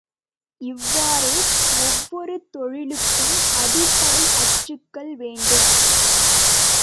இவ்வாறே ஒவ்வொரு தொழிலுக்கும் அடிப்படை அச்சுகள் வேண்டும்.